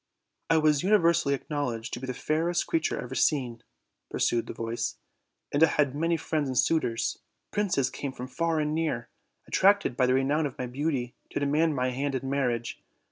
"I was universally acknowledged to be the faarest creature ever seen," pursued the voice, "and I had many friends and suitors; princes came from far and near, at tracted by the renown of my beauty, to demand my hand in marriage.